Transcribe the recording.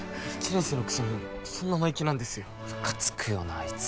１年生のくせにクソ生意気なんですよ。ムカつくよなあいつ。